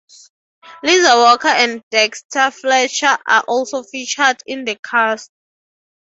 Liza Walker and Dexter Fletcher are also featured in the cast.